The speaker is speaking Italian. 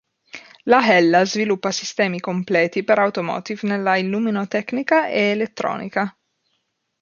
La Hella sviluppa sistemi completi per Automotive nella illuminotecnica e elettronica.